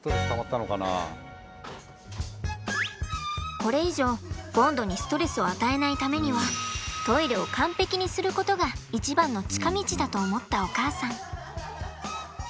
これ以上ボンドにストレスを与えないためにはトイレを完璧にすることが一番の近道だと思ったお母さん。